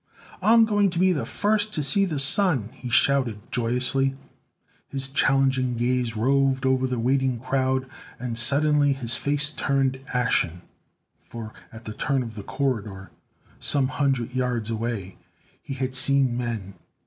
"I'm going to be the first to see the Sun!" he shouted joyously. His challenging gaze roved over the waiting crowd, and suddenly his face turned ashen. For at the turn of the corridor, some hundred yards away, he had seen men.